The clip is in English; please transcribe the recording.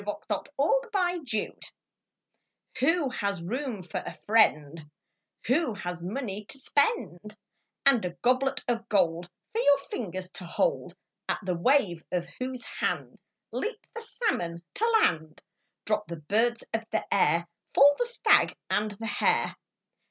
A FRIEND IN NEED Who has room for a friend Who has money to spend, And a goblet of gold For your fingers to hold, At the wave of whose hand Leap the salmon to land, Drop the birds of the air, Fall the stag and the hare.